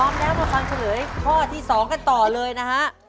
พร้อมแล้วมาฟังเฉลยข้อที่๒กันต่อเลยนะฮะ